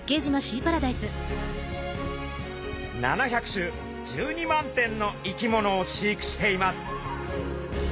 ７００種１２万点の生き物を飼育しています。